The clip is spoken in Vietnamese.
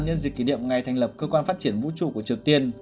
nhân dịp kỷ niệm ngày thành lập cơ quan phát triển vũ trụ của triều tiên